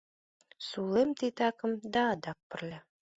Сулем титакым да адак пырля